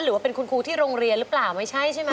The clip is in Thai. หรือว่าเป็นคุณครูที่โรงเรียนหรือเปล่าไม่ใช่ใช่ไหม